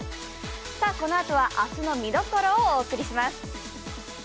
このあとは明日の見どころをお送りします。